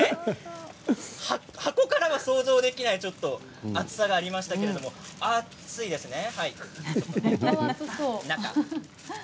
箱からは想像できない熱さがありましたけれども熱そう。